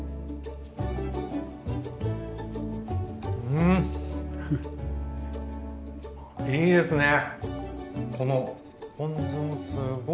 うんいいですね。